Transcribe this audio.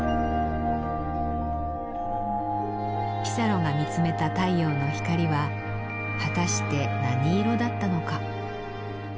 ピサロが見つめた太陽の光は果たして何色だったのか。